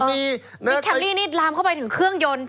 นี่แคมรี่นี่ลามเข้าไปถึงเครื่องยนต์